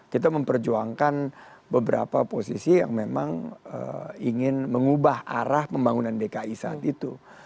kita memperjuangkan beberapa posisi yang memang ingin mengubah arah pembangunan dki saat itu